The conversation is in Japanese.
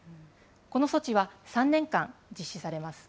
この措置は３年間実施されます。